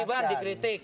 tv bar dikritik